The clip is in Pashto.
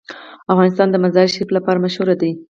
افغانستان د مزارشریف لپاره مشهور دی.